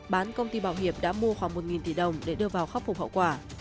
bán công ty bảo hiệp đã mua khoảng một tỷ đồng để đưa vào khắc phục hậu quả